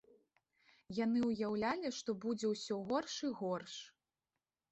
Яны ўяўлялі, што будзе ўсё горш і горш.